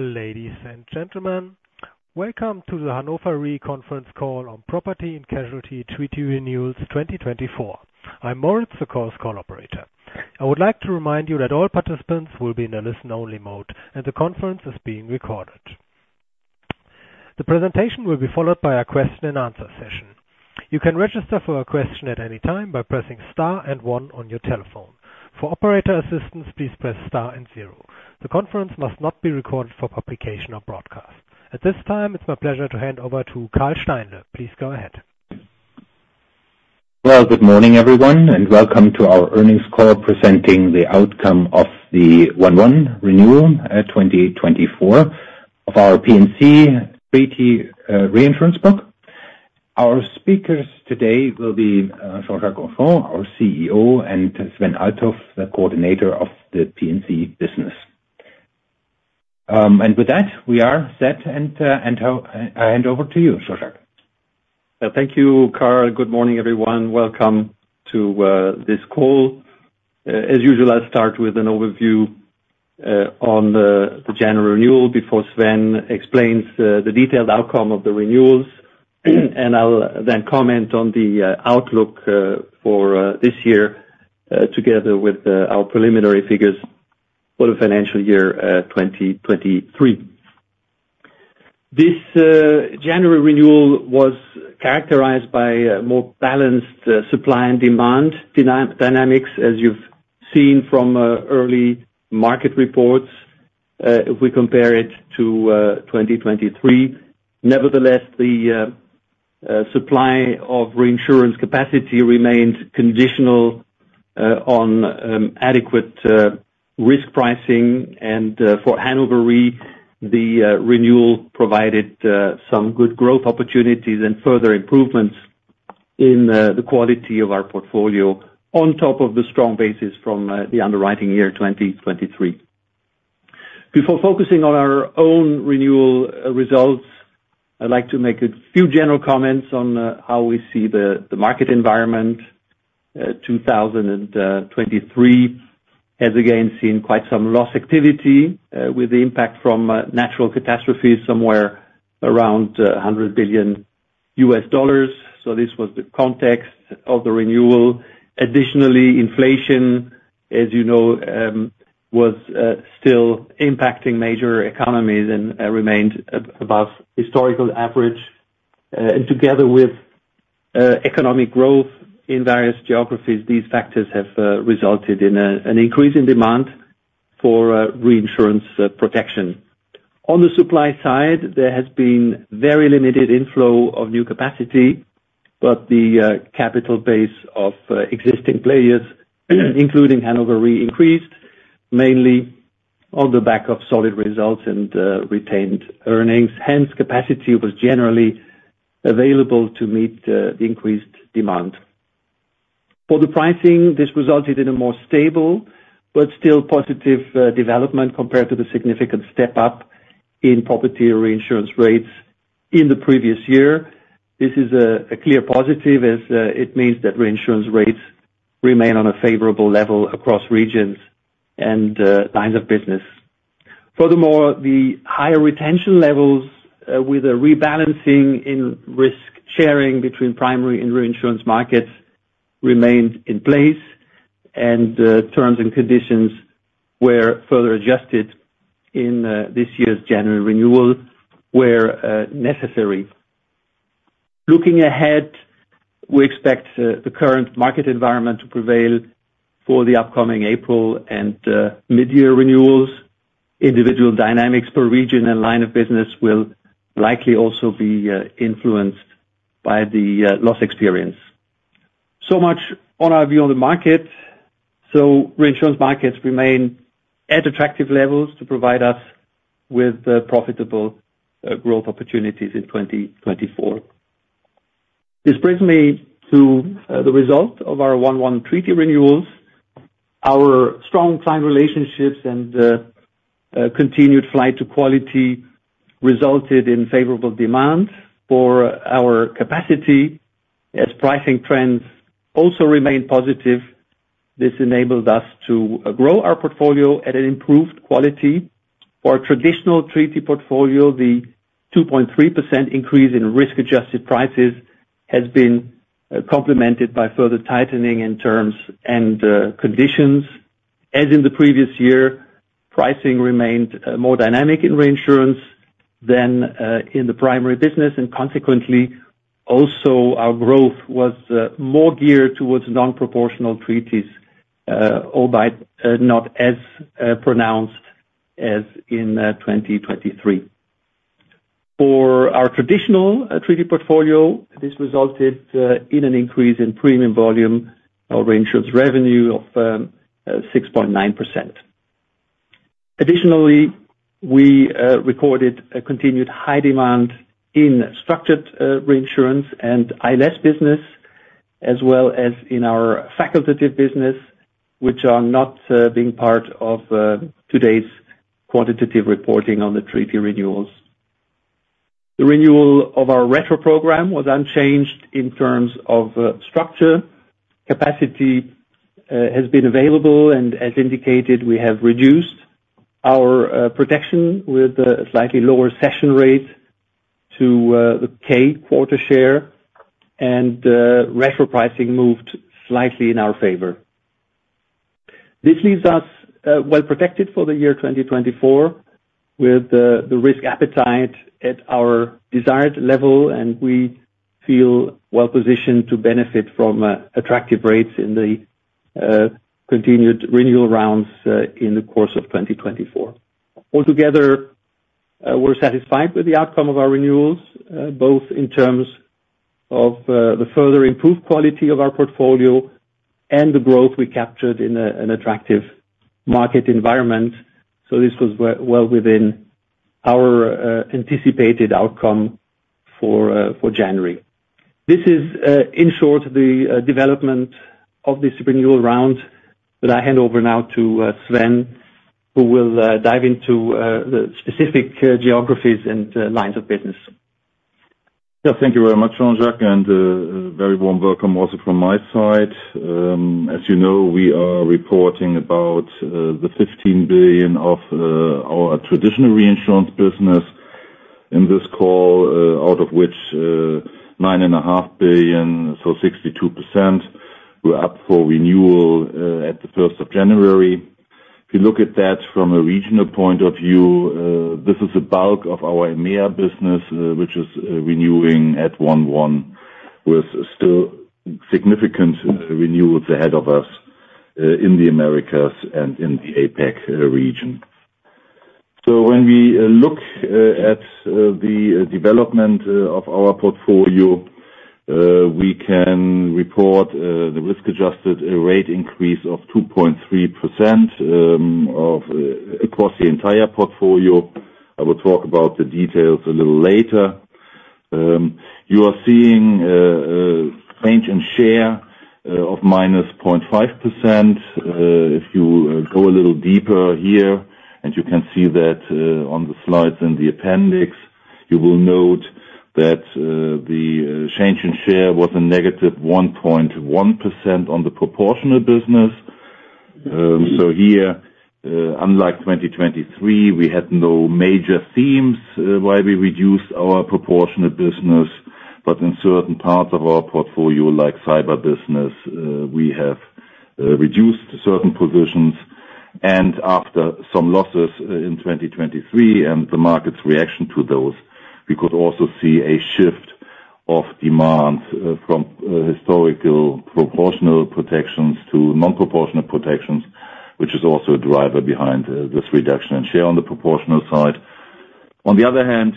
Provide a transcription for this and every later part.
Ladies and gentlemen, welcome to the Hannover Re Conference Call on Property and Casualty Treaty Renewals 2024. I'm Moritz, the call operator. I would like to remind you that all participants will be in a listen-only mode, and the conference is being recorded. The presentation will be followed by a question and answer session. You can register for a question at any time by pressing star and one on your telephone. For operator assistance, please press star and zero. The conference must not be recorded for publication or broadcast. At this time, it's my pleasure to hand over to Karl Steinle. Please go ahead. Well, good morning, everyone, and welcome to our earnings call, presenting the outcome of the 1.1 renewal, 2024 of our P&C treaty reinsurance book. Our speakers today will be, Jean-Jacques Henchoz, our CEO, and Sven Althoff, the coordinator of the P&C business. And with that, we are set, and I hand over to you, Jean-Jacques. Thank you, Karl. Good morning, everyone. Welcome to this call. As usual, I'll start with an overview on the January renewal before Sven explains the detailed outcome of the renewals. I'll then comment on the outlook for this year together with our preliminary figures for the financial year 2023. This January renewal was characterized by a more balanced supply and demand dynamics, as you've seen from early market reports, if we compare it to 2023. Nevertheless, the supply of reinsurance capacity remained conditional on adequate risk pricing. For Hannover Re, the renewal provided some good growth opportunities and further improvements in the quality of our portfolio, on top of the strong basis from the underwriting year 2023. Before focusing on our own renewal results, I'd like to make a few general comments on how we see the market environment. 2023 has again seen quite some loss activity with the impact from natural catastrophes somewhere around $100 billion. So this was the context of the renewal. Additionally, inflation, as you know, was still impacting major economies and remained above historical average. Together with economic growth in various geographies, these factors have resulted in an increase in demand for reinsurance protection. On the supply side, there has been very limited inflow of new capacity, but the capital base of existing players, including Hannover Re, increased mainly on the back of solid results and retained earnings. Hence, capacity was generally available to meet the increased demand. For the pricing, this resulted in a more stable but still positive development compared to the significant step up in property reinsurance rates in the previous year. This is a clear positive, as it means that reinsurance rates remain on a favorable level across regions and lines of business. Furthermore, the higher retention levels with a rebalancing in risk sharing between primary and reinsurance markets remained in place, and terms and conditions were further adjusted in this year's January renewal, where necessary. Looking ahead, we expect the current market environment to prevail for the upcoming April and mid-year renewals. Individual dynamics per region and line of business will likely also be influenced by the loss experience. So much on our view on the market. So reinsurance markets remain at attractive levels to provide us with profitable growth opportunities in 2024. This brings me to the result of our 1/1 treaty renewals. Our strong client relationships and continued flight to quality resulted in favorable demand for our capacity. As pricing trends also remain positive, this enabled us to grow our portfolio at an improved quality. For our traditional treaty portfolio, the 2.3% increase in risk-adjusted prices has been complemented by further tightening in terms and conditions. As in the previous year, pricing remained more dynamic in reinsurance than in the primary business, and consequently, also, our growth was more geared towards non-proportional treaties, albeit not as pronounced as in 2023. For our traditional treaty portfolio, this resulted in an increase in premium volume, our reinsurance revenue of 6.9%. Additionally, we recorded a continued high demand in structured reinsurance and ILS business, as well as in our facultative business, which are not being part of today's quantitative reporting on the treaty renewals.... The renewal of our retro program was unchanged in terms of structure. Capacity has been available, and as indicated, we have reduced our protection with a slightly lower cession rate to the K-Cession, and retro pricing moved slightly in our favor. This leaves us, well protected for the year 2024, with the risk appetite at our desired level, and we feel well positioned to benefit from, attractive rates in the continued renewal rounds, in the course of 2024. Altogether, we're satisfied with the outcome of our renewals, both in terms of the further improved quality of our portfolio and the growth we captured in an attractive market environment. So this was well, well within our anticipated outcome for January. This is, in short, the development of this renewal round, but I hand over now to Sven, who will dive into the specific geographies and lines of business. Yeah, thank you very much, Jean-Jacques, and a very warm welcome also from my side. As you know, we are reporting about 15 billion of our traditional reinsurance business in this call, out of which 9.5 billion, so 62%, were up for renewal at the first of January. If you look at that from a regional point of view, this is the bulk of our EMEA business, which is renewing at 1/1, with still significant renewals ahead of us in the Americas and in the APAC region. So when we look at the development of our portfolio, we can report the risk-adjusted rate increase of 2.3% of across the entire portfolio. I will talk about the details a little later. You are seeing change in share of minus 0.5%. If you go a little deeper here, and you can see that on the slides in the appendix, you will note that the change in share was a negative 1.1% on the proportional business. So here, unlike 2023, we had no major themes why we reduced our proportional business, but in certain parts of our portfolio, like cyber business, we have reduced certain positions. And after some losses in 2023 and the market's reaction to those, we could also see a shift of demand from historical proportional protections to non-proportional protections, which is also a driver behind this reduction in share on the proportional side. On the other hand,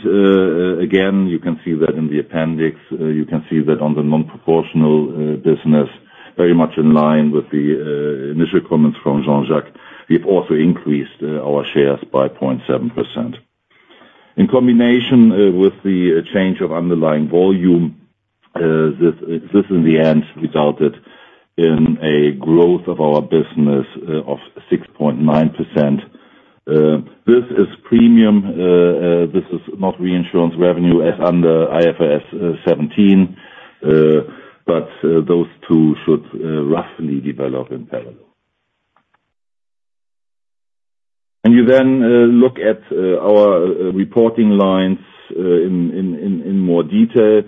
again, you can see that in the appendix, you can see that on the non-proportional business, very much in line with the initial comments from Jean-Jacques, we've also increased our shares by 0.7%. In combination with the change of underlying volume, this in the end resulted in a growth of our business of 6.9%. This is premium, this is not reinsurance revenue as under IFRS 17, but those two should roughly develop in parallel. And you then look at our reporting lines in more detail.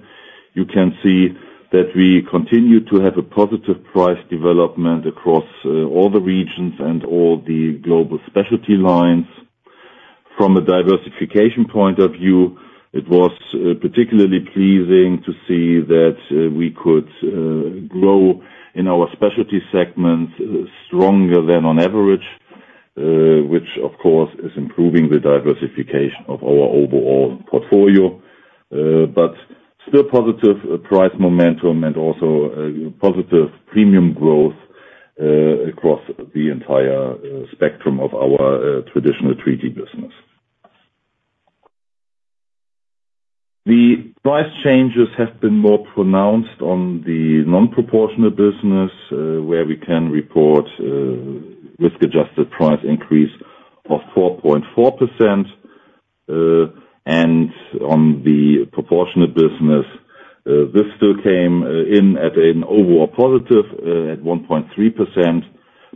You can see that we continue to have a positive price development across all the regions and all the global specialty lines. From a diversification point of view, it was particularly pleasing to see that we could grow in our specialty segments stronger than on average, which, of course, is improving the diversification of our overall portfolio. But still positive price momentum and also positive premium growth across the entire spectrum of our traditional treaty business. The price changes have been more pronounced on the non-proportional business, where we can report risk-adjusted price increase of 4.4%, and on the proportional business, this still came in at an overall positive at 1.3%,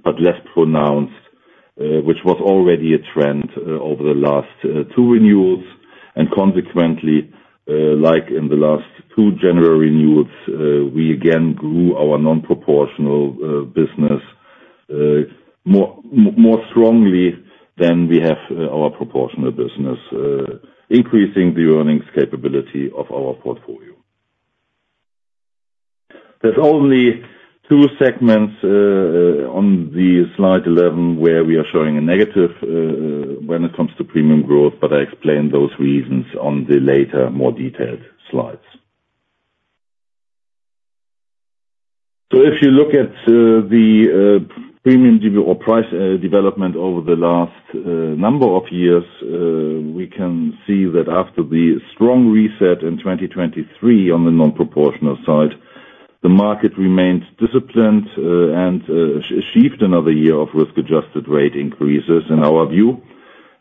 but less pronounced, which was already a trend over the last two renewals. Consequently, like in the last 2 January renewals, we again grew our non-proportional business more strongly than we have our proportional business, increasing the earnings capability of our portfolio. There's only 2 segments on the slide 11, where we are showing a negative when it comes to premium growth, but I explain those reasons on the later, more detailed slides. So if you look at the premium or price development over the last number of years, we can see that after the strong reset in 2023 on the non-proportional side. The market remains disciplined and achieved another year of risk-adjusted rate increases, in our view.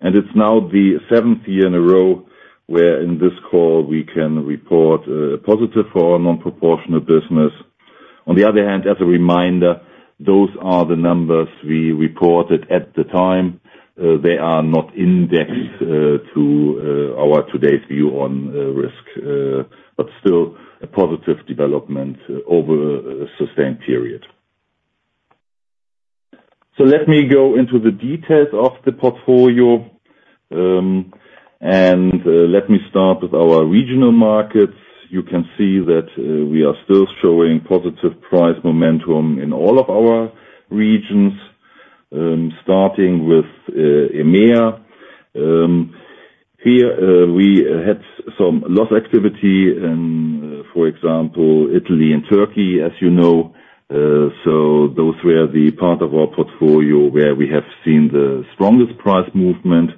It's now the 7th year in a row, where in this call, we can report positive for our non-proportional business. On the other hand, as a reminder, those are the numbers we reported at the time. They are not indexed to our today's view on risk, but still a positive development over a sustained period. So let me go into the details of the portfolio. And let me start with our regional markets. You can see that we are still showing positive price momentum in all of our regions. Starting with EMEA. Here we had some loss activity in, for example, Italy and Turkey, as you know. So those were the part of our portfolio where we have seen the strongest price movement,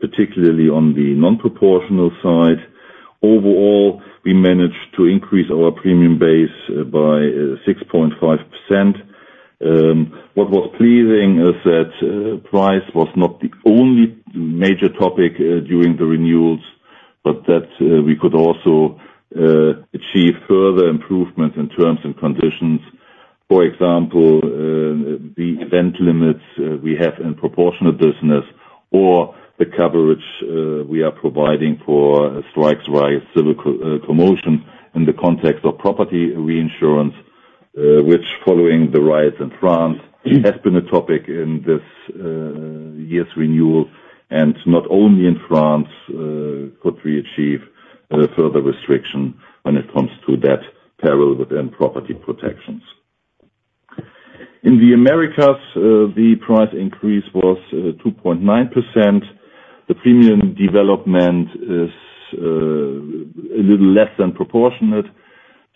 particularly on the non-proportional side. Overall, we managed to increase our premium base by 6.5%. What was pleasing is that price was not the only major topic during the renewals, but that we could also achieve further improvements in terms and conditions. For example, the event limits we have in proportional business, or the coverage we are providing for strikes, riots, civil commotion in the context of property reinsurance. Which following the riots in France, has been a topic in this year's renewal, and not only in France, could we achieve further restriction when it comes to that peril within property protections. In the Americas, the price increase was 2.9%. The premium development is a little less than proportionate.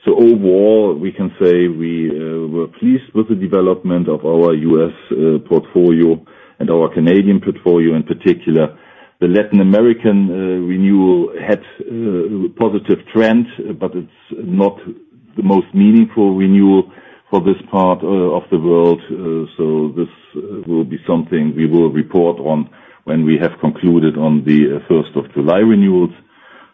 So overall, we can say we were pleased with the development of our U.S. portfolio and our Canadian portfolio, in particular. The Latin American renewal had positive trends, but it's not the most meaningful renewal for this part of the world. So this will be something we will report on when we have concluded on the first of July renewals.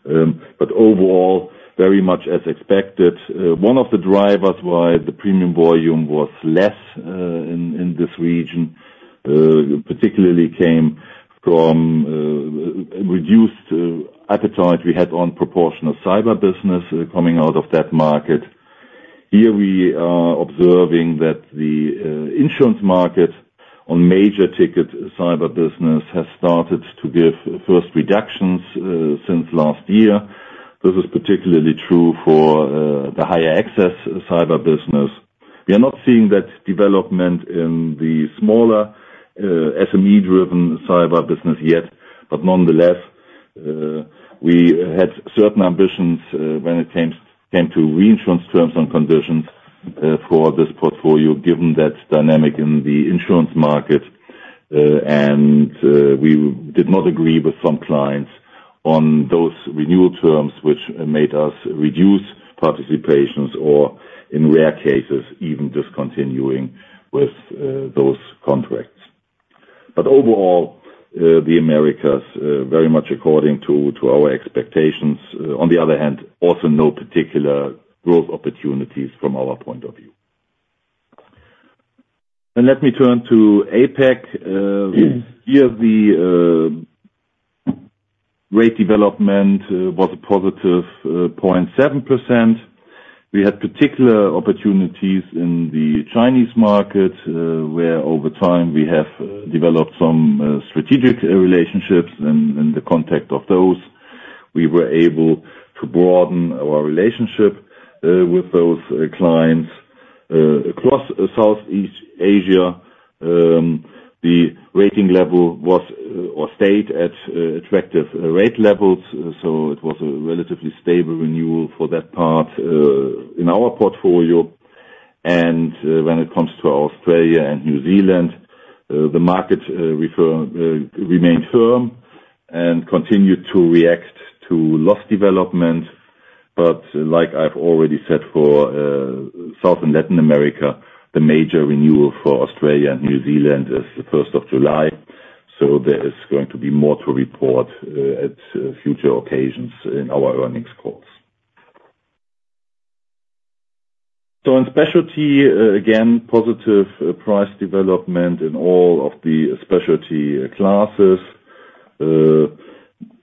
But overall, very much as expected. One of the drivers why the premium volume was less in this region particularly came from reduced appetite we had on proportional cyber business coming out of that market. Here we are observing that the insurance market on major ticket cyber business has started to give first reductions since last year. This is particularly true for the higher excess cyber business. We are not seeing that development in the smaller SME-driven cyber business yet. Nonetheless, we had certain ambitions when it came to reinsurance terms and conditions for this portfolio, given that dynamic in the insurance market. And we did not agree with some clients on those renewal terms, which made us reduce participations or in rare cases, even discontinuing with those contracts. But overall, the Americas very much according to our expectations. On the other hand, also no particular growth opportunities from our point of view. Let me turn to APAC. Here, the rate development was a positive 0.7%. We had particular opportunities in the Chinese market, where over time, we have developed some strategic relationships. In the context of those, we were able to broaden our relationship with those clients. Across Southeast Asia, the rating level was or stayed at attractive rate levels, so it was a relatively stable renewal for that part in our portfolio. When it comes to Australia and New Zealand, the market remained firm and continued to react to loss development. But like I've already said, for South and Latin America, the major renewal for Australia and New Zealand is the first of July, so there is going to be more to report at future occasions in our earnings calls. So in specialty, again, positive price development in all of the specialty classes.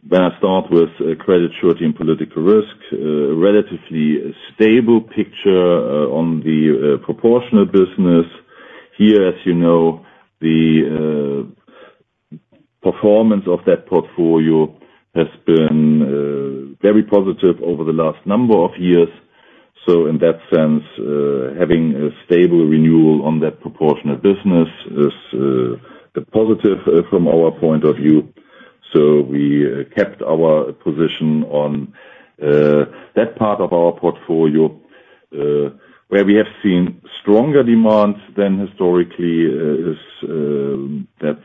When I start with credit surety and political risk, relatively stable picture on the proportional business. Here, as you know, the performance of that portfolio has been very positive over the last number of years. So in that sense, having a stable renewal on that proportional business is, a positive from our point of view. So we kept our position on, that part of our portfolio, where we have seen stronger demands than historically is that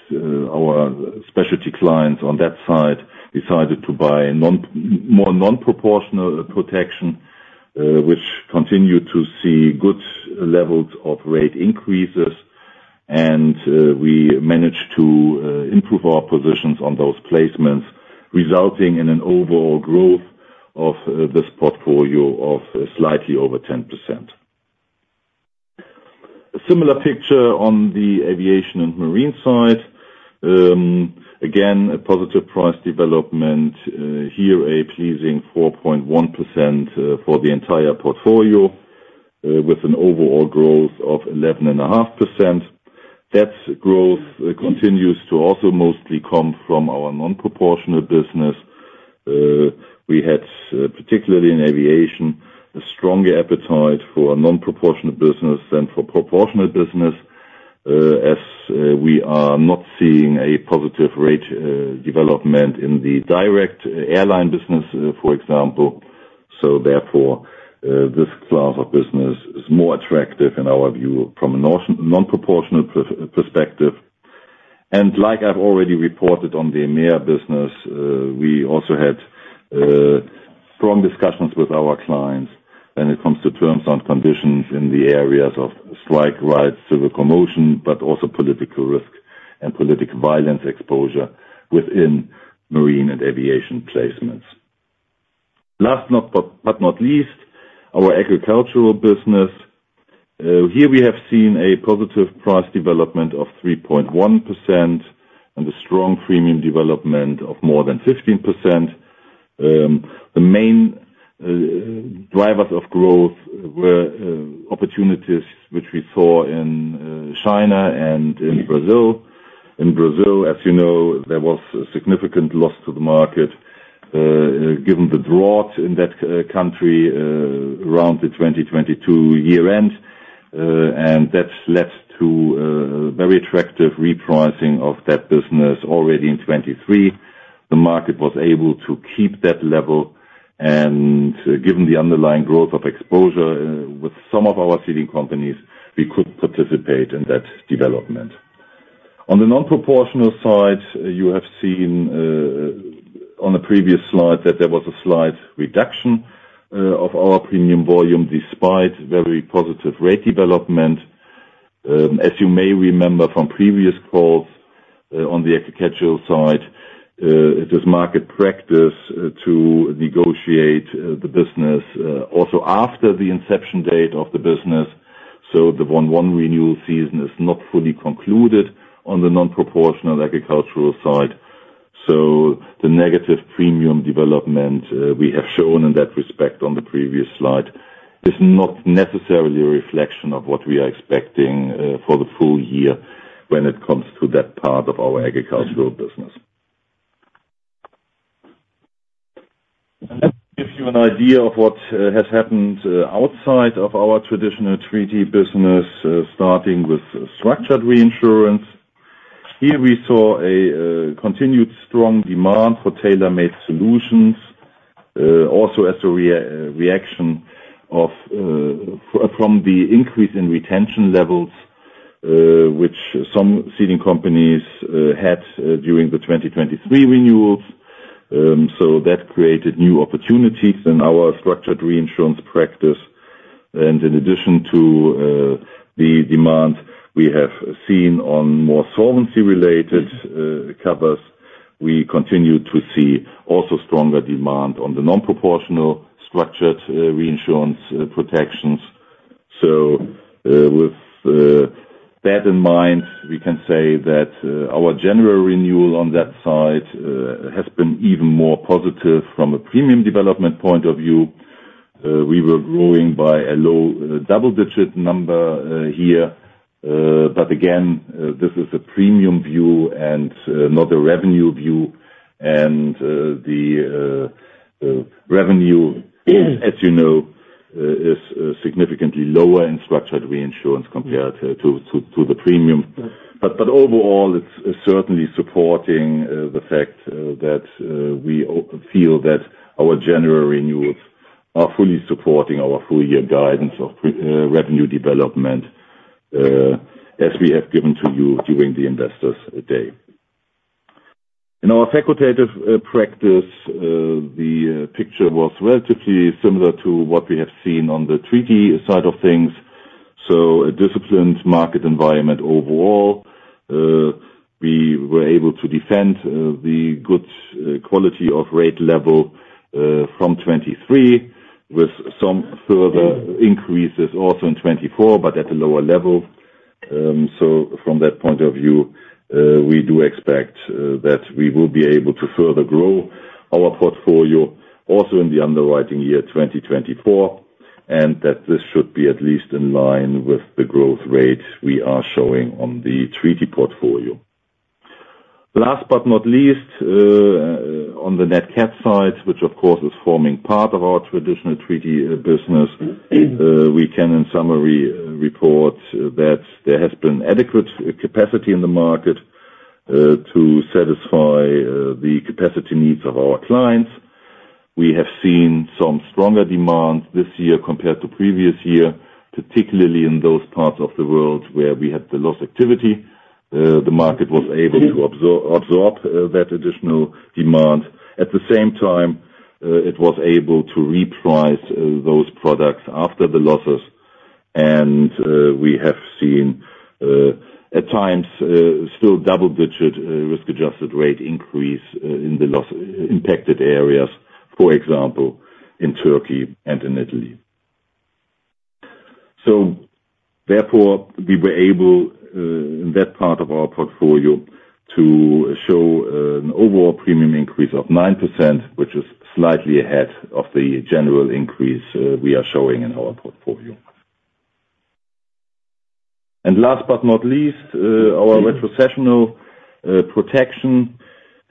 our specialty clients on that side decided to buy more non-proportional protection, which continued to see good levels of rate increases. And, we managed to, improve our positions on those placements, resulting in an overall growth of, this portfolio of slightly over 10%. A similar picture on the aviation and marine side. Again, a positive price development, here, a pleasing 4.1%, for the entire portfolio, with an overall growth of 11.5%. That growth continues to also mostly come from our non-proportional business. We had, particularly in aviation, a strong appetite for non-proportional business than for proportional business, as we are not seeing a positive rate development in the direct airline business, for example. So therefore, this class of business is more attractive in our view from a non-proportional perspective. And like I've already reported on the EMEA business, we also had strong discussions with our clients when it comes to terms and conditions in the areas of strike, riots, civil commotion, but also political risk and political violence exposure within marine and aviation placements. Last but not least, our agricultural business. Here we have seen a positive price development of 3.1% and a strong premium development of more than 15%. The main drivers of growth were opportunities which we saw in China and in Brazil. In Brazil, as you know, there was a significant loss to the market given the drought in that country around the 2022 year end, and that's led to a very attractive repricing of that business. Already in 2023, the market was able to keep that level, and given the underlying growth of exposure with some of our ceding companies, we could participate in that development. On the non-proportional side, you have seen on a previous slide that there was a slight reduction of our premium volume, despite very positive rate development. As you may remember from previous calls, on the agricultural side, it is market practice to negotiate the business also after the inception date of the business. So the one renewal season is not fully concluded on the non-proportional agricultural side. So the negative premium development we have shown in that respect on the previous slide is not necessarily a reflection of what we are expecting for the full year when it comes to that part of our agricultural business. And let me give you an idea of what has happened outside of our traditional treaty business, starting with structured reinsurance. Here we saw a continued strong demand for tailor-made solutions, also as a reaction of from the increase in retention levels, which some ceding companies had during the 2023 renewals. So that created new opportunities in our structured reinsurance practice. And in addition to the demand we have seen on more solvency-related covers, we continue to see also stronger demand on the non-proportional structured reinsurance protections. So, with that in mind, we can say that our general renewal on that side has been even more positive from a premium development point of view. We were growing by a low double-digit number here. But again, this is a premium view and not a revenue view. The revenue, as you know, is significantly lower in structured reinsurance compared to the premium. But overall, it's certainly supporting the fact that we feel that our general renewals are fully supporting our full year guidance of premium revenue development, as we have given to you during the Investors Day. In our facultative practice, the picture was relatively similar to what we have seen on the treaty side of things. So a disciplined market environment overall. We were able to defend the good quality of rate level from 2023, with some further increases also in 2024, but at a lower level. So from that point of view, we do expect that we will be able to further grow our portfolio also in the underwriting year 2024, and that this should be at least in line with the growth rate we are showing on the treaty portfolio. Last but not least, on the Nat Cat side, which of course is forming part of our traditional treaty business, we can in summary report that there has been adequate capacity in the market to satisfy the capacity needs of our clients.... we have seen some stronger demand this year compared to previous year, particularly in those parts of the world where we had the loss activity. The market was able to absorb that additional demand. At the same time, it was able to reprice those products after the losses. And we have seen at times still double-digit risk-adjusted rate increase in the loss impacted areas, for example, in Turkey and in Italy. So therefore, we were able in that part of our portfolio to show an overall premium increase of 9%, which is slightly ahead of the general increase we are showing in our portfolio. And last but not least, our retrocessional protection.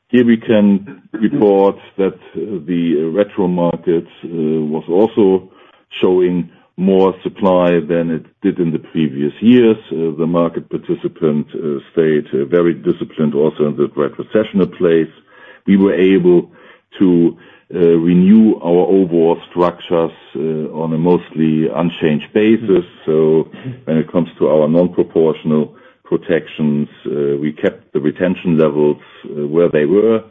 Here we can report that the retro markets was also showing more supply than it did in the previous years. The market participant stayed very disciplined also in the retrocessional space. We were able to renew our overall structures on a mostly unchanged basis. So when it comes to our non-proportional protections, we kept the retention levels where they were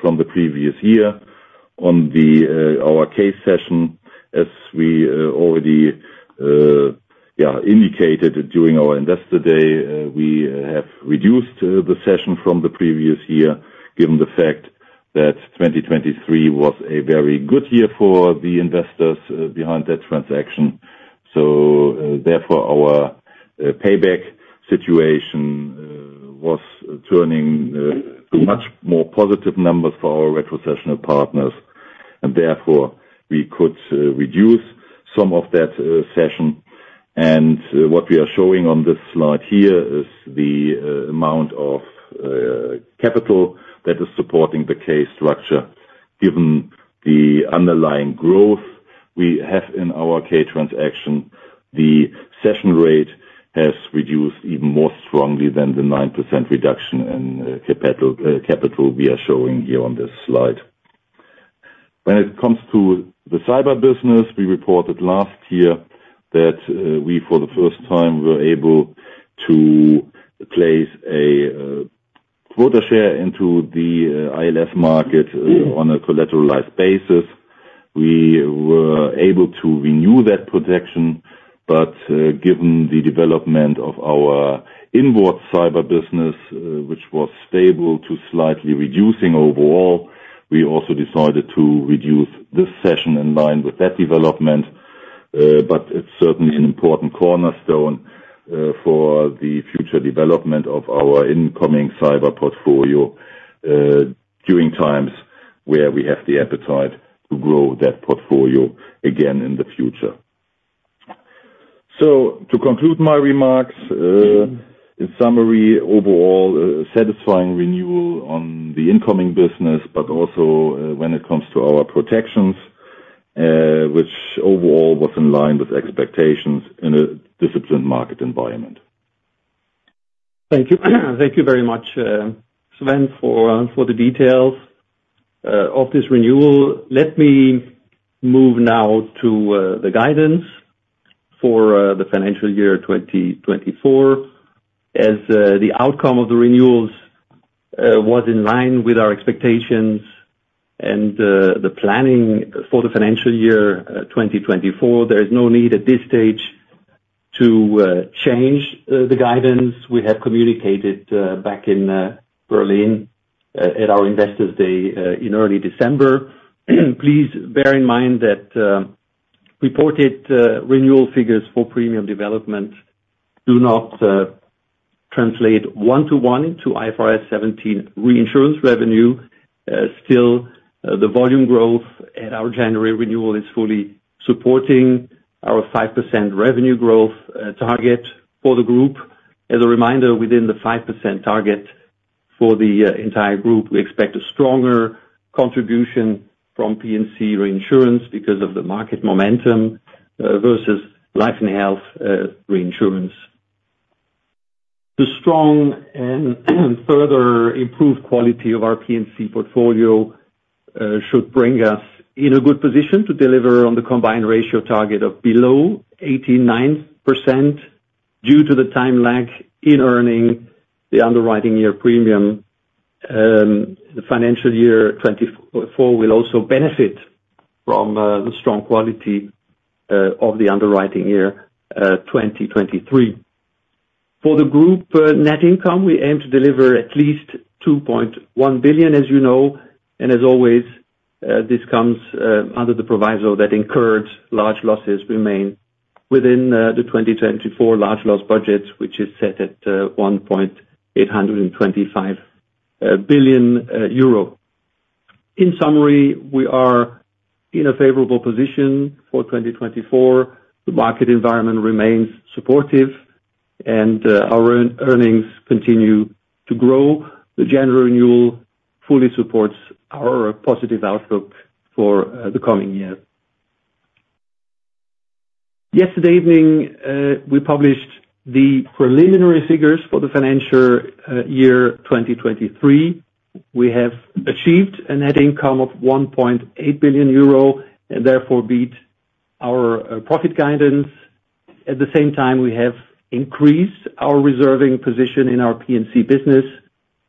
from the previous year. On our K-Cession, as we already indicated during our investor day, we have reduced the K-Cession from the previous year, given the fact that 2023 was a very good year for the investors behind that transaction. So, therefore, our payback situation was turning to much more positive numbers for our retrocessional partners, and therefore we could reduce some of that K-Cession. And, what we are showing on this slide here is the amount of capital that is supporting the K-Cession structure. Given the underlying growth we have in our case transaction, the cession rate has reduced even more strongly than the 9% reduction in capital we are showing here on this slide. When it comes to the cyber business, we reported last year that we, for the first time, were able to place a quota share into the ILS market on a collateralized basis. We were able to renew that protection, but given the development of our inward cyber business, which was stable to slightly reducing overall, we also decided to reduce this cession in line with that development. But it's certainly an important cornerstone for the future development of our incoming cyber portfolio during times where we have the appetite to grow that portfolio again in the future. So to conclude my remarks, in summary, overall, a satisfying renewal on the incoming business, but also, when it comes to our protections, which overall was in line with expectations in a disciplined market environment. Thank you. Thank you very much, Sven, for the details of this renewal. Let me move now to the guidance for the financial year 2024. As the outcome of the renewals was in line with our expectations and the planning for the financial year 2024, there is no need at this stage to change the guidance we have communicated back in Berlin at our Investors Day in early December. Please bear in mind that reported renewal figures for premium development do not translate one-to-one to IFRS 17 reinsurance revenue. Still, the volume growth at our January renewal is fully supporting our 5% revenue growth target for the group. As a reminder, within the 5% target for the entire group, we expect a stronger contribution from P&C Reinsurance because of the market momentum versus Life and Health reinsurance. The strong and further improved quality of our P&C portfolio should bring us in a good position to deliver on the combined ratio target of below 89% due to the time lag in earning the underwriting year premium. The financial year 2024 will also benefit from the strong quality of the underwriting year 2023. For the group, net income, we aim to deliver at least 2.1 billion, as you know, and as always, this comes under the proviso that incurred large losses remain within the 2024 large loss budget, which is set at 1.825 billion euro. In summary, we are in a favorable position for 2024. The market environment remains supportive, and our earnings continue to grow. The January renewal fully supports our positive outlook for the coming year.... Yesterday evening, we published the preliminary figures for the financial year 2023. We have achieved a net income of 1.8 billion euro, and therefore beat our profit guidance. At the same time, we have increased our reserving position in our P&C business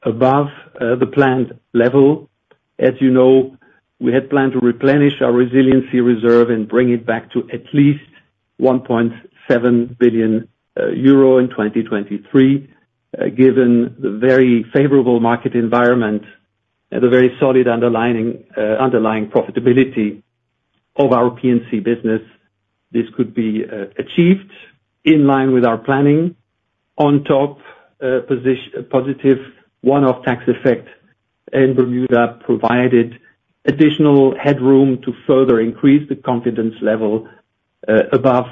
above the planned level. As you know, we had planned to replenish our resiliency reserve and bring it back to at least 1.7 billion euro in 2023. Given the very favorable market environment and the very solid underlying underlying profitability of our P&C business, this could be achieved in line with our planning. On top, positive, one-off tax effect, and Bermuda provided additional headroom to further increase the confidence level above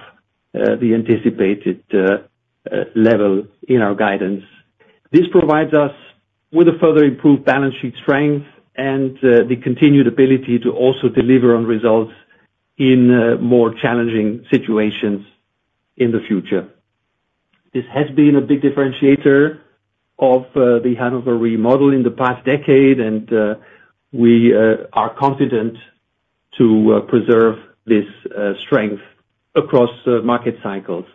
the anticipated level in our guidance. This provides us with a further improved balance sheet strength and the continued ability to also deliver on results in more challenging situations in the future. This has been a big differentiator of the Hannover Re model in the past decade, and we are confident to preserve this strength across the market cycles.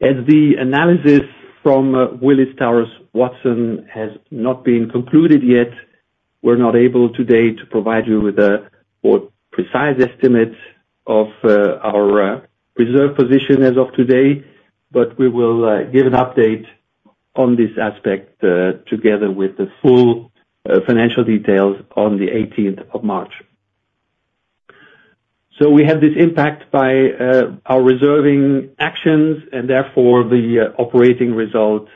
As the analysis from Willis Towers Watson has not been concluded yet, we're not able today to provide you with a more precise estimate of our reserve position as of today, but we will give an update on this aspect together with the full financial details on the eighteenth of March. So we have this impact by our reserving actions, and therefore, the operating result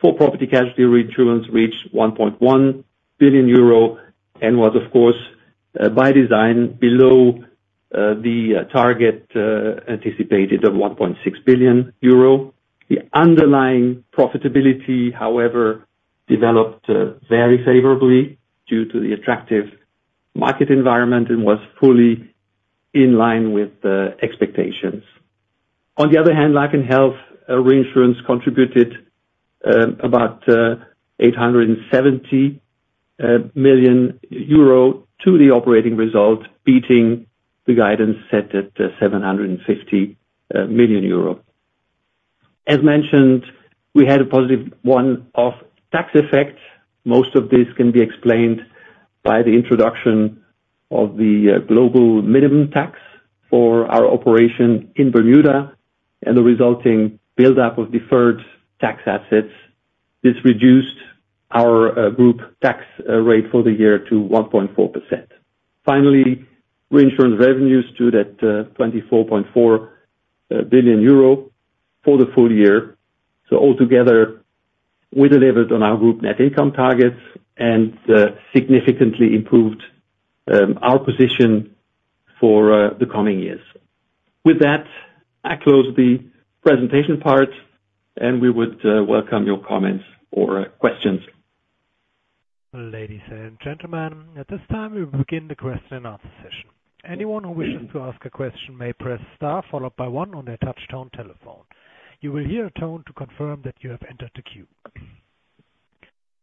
for Property and Casualty reinsurance reached 1.1 billion euro, and was, of course, by design, below the target anticipated of 1.6 billion euro. The underlying profitability, however, developed very favorably due to the attractive market environment and was fully in line with the expectations. On the other hand, life and health reinsurance contributed about 870 million euro to the operating result, beating the guidance set at 750 million euro. As mentioned, we had a positive one-off tax effect. Most of this can be explained by the introduction of the global minimum tax for our operation in Bermuda and the resulting buildup of deferred tax assets. This reduced our group tax rate for the year to 1.4%. Finally, reinsurance revenues stood at 24.4 billion euro for the full year. So altogether, we delivered on our group net income targets and significantly improved our position for the coming years. With that, I close the presentation part, and we would welcome your comments or questions. Ladies and gentlemen, at this time, we will begin the question and answer session. Anyone who wishes to ask a question may press star followed by one on their touchtone telephone. You will hear a tone to confirm that you have entered the queue.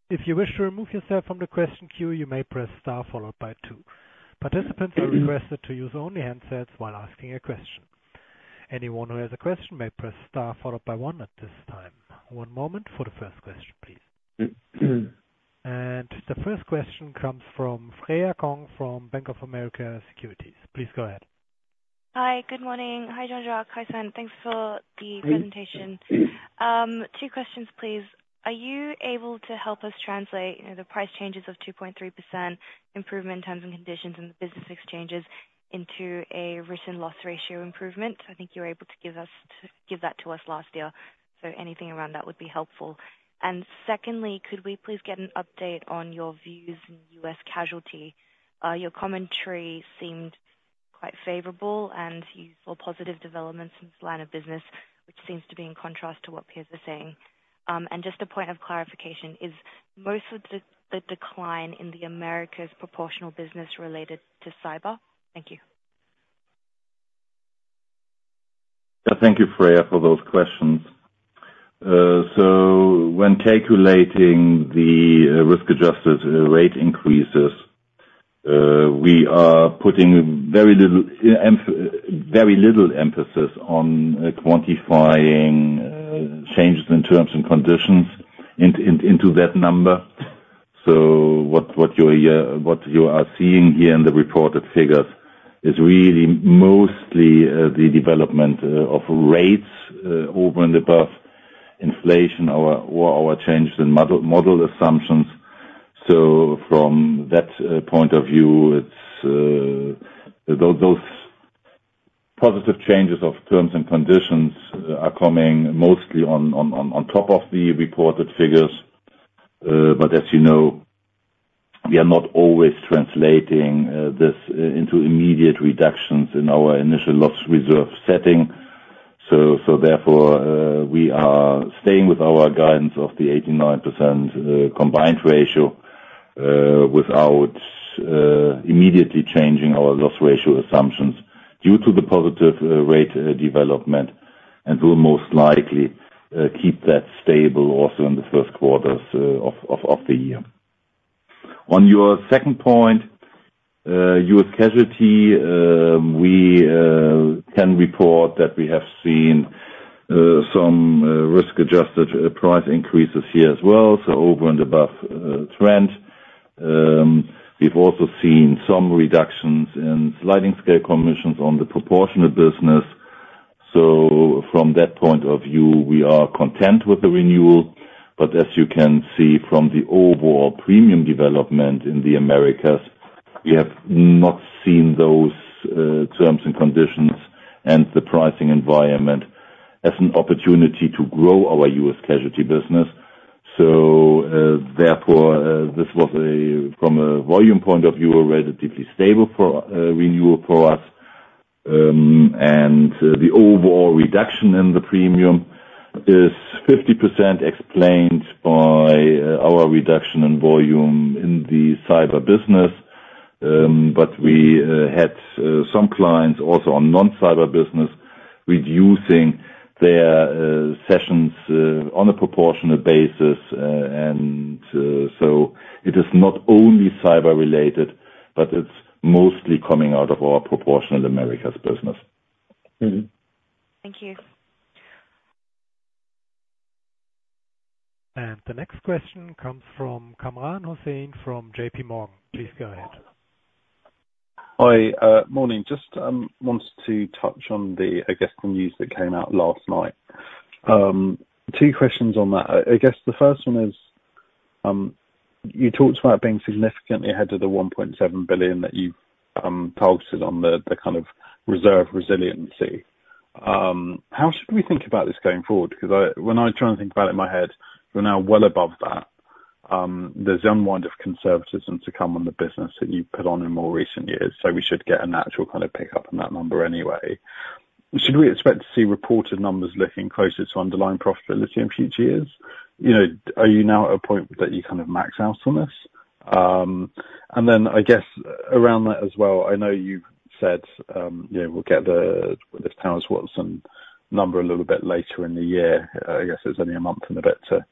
If you wish to remove yourself from the question queue, you may press star followed by two. Participants are requested to use only handsets while asking a question. Anyone who has a question may press star followed by one at this time. One moment for the first question, please. And the first question comes from Freya Kong from Bank of America Securities. Please go ahead. Hi, good morning. Hi, Jean-Jacques, hi, Sven. Thanks for the presentation. Two questions, please. Are you able to help us translate, you know, the price changes of 2.3% improvement in terms and conditions and the business exchanges into a recent loss ratio improvement? I think you were able to give that to us last year, so anything around that would be helpful. And secondly, could we please get an update on your views in US casualty? Your commentary seemed quite favorable, and you saw positive developments in this line of business, which seems to be in contrast to what peers are saying. And just a point of clarification, is most of the decline in the Americas proportional business related to cyber? Thank you. Yeah, thank you, Freya, for those questions. So when calculating the risk-adjusted rate increases, we are putting very little emphasis on quantifying changes in terms and conditions into that number. So what you are seeing here in the reported figures is really mostly the development of rates over and above inflation or changes in model assumptions. So from that point of view, it's those positive changes of terms and conditions are coming mostly on top of the reported figures. But as you know, we are not always translating this into immediate reductions in our initial loss reserve setting. ...So therefore, we are staying with our guidance of the 89% combined ratio, without immediately changing our loss ratio assumptions due to the positive rate development, and will most likely keep that stable also in the Q1s of the year. On your second point, US casualty, we can report that we have seen some risk-adjusted price increases here as well, so over and above trend. We've also seen some reductions in sliding scale commissions on the proportionate business. So from that point of view, we are content with the renewal, but as you can see from the overall premium development in the Americas, we have not seen those terms and conditions and the pricing environment as an opportunity to grow our US casualty business. Therefore, this was, from a volume point of view, a relatively stable renewal for us. The overall reduction in the premium is 50% explained by our reduction in volume in the cyber business. But we had some clients also on non-cyber business, reducing their cessions on a proportionate basis. So it is not only cyber-related, but it's mostly coming out of our proportional Americas business. Mm-hmm. Thank you. The next question comes from Kamran Hossain from J.P. Morgan. Please go ahead. Hi, morning. Just wanted to touch on the, I guess, the news that came out last night. Two questions on that. I guess the first one is, you talked about being significantly ahead of the 1.7 billion that you've posted on the kind of resiliency reserve. How should we think about this going forward? Because when I try and think about it in my head, we're now well above that. There's some kind of conservatism to come on the business that you've put on in more recent years, so we should get a natural kind of pickup on that number anyway. Should we expect to see reported numbers looking closer to underlying profitability in future years? You know, are you now at a point that you kind of max out on this? And then I guess around that as well, I know you've said, you know, we'll get the this Willis Towers Watson number a little bit later in the year. I guess it's only a month and a bit to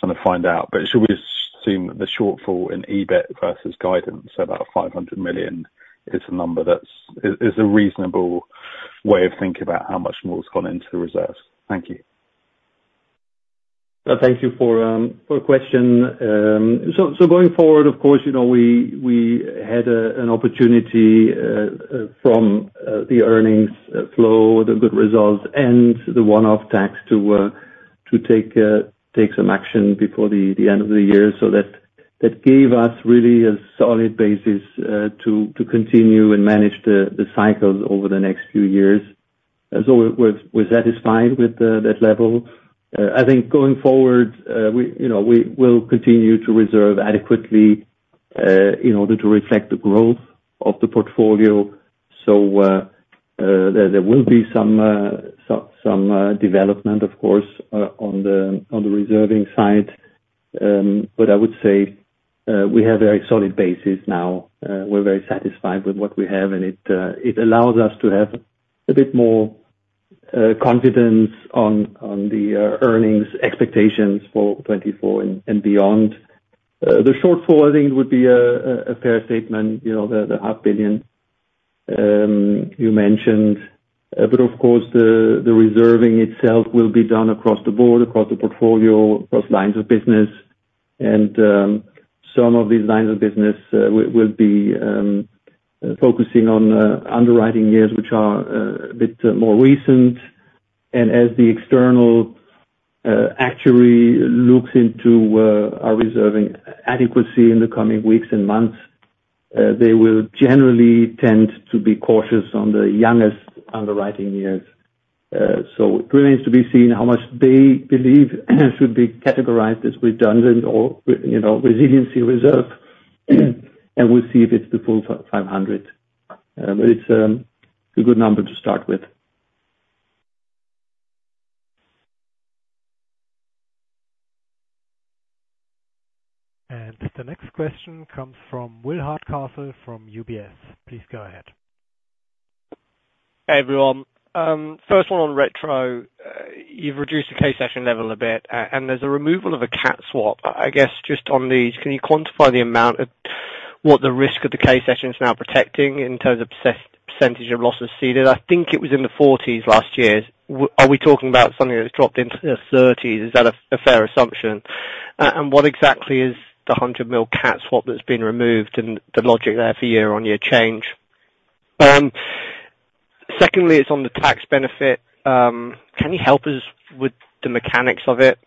kind of find out. But should we assume that the shortfall in EBIT versus guidance, about 500 million, is a number that's... is a reasonable way of thinking about how much more has gone into the reserves? Thank you. Thank you for the question. So going forward, of course, you know, we had an opportunity from the earnings flow, the good results and the one-off tax to take some action before the end of the year. So that gave us really a solid basis to continue and manage the cycles over the next few years. And so we're satisfied with that level. I think going forward, we, you know, we will continue to reserve adequately in order to reflect the growth of the portfolio. So there will be some development of course on the reserving side. But I would say we have a very solid basis now. We're very satisfied with what we have, and it allows us to have a bit more confidence on the earnings expectations for 2024 and beyond. The shortfall, I think, would be a fair statement, you know, the 500 million you mentioned. But of course, the reserving itself will be done across the board, across the portfolio, across lines of business. Some of these lines of business will be focusing on underwriting years, which are a bit more recent. And as the external actuary looks into our reserving adequacy in the coming weeks and months, they will generally tend to be cautious on the youngest underwriting years. It remains to be seen how much they believe should be categorized as redundant or, you know, resiliency reserve. And we'll see if it's the full 500. It's a good number to start with. The next question comes from Will Hardcastle, from UBS. Please go ahead. Hey, everyone. First one on retro. You've reduced the K-Cession level a bit, and there's a removal of a Cat swap. I guess, just on these, can you quantify the amount of what the risk of the K-Cession is now protecting in terms of percentage of losses ceded? I think it was in the 40s last year. Are we talking about something that's dropped into the 30s? Is that a fair assumption? And what exactly is the 100 million Cat swap that's been removed and the logic there for year-on-year change? Secondly, it's on the tax benefit. Can you help us with the mechanics of it?